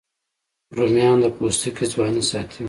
رومیان د پوستکي ځواني ساتي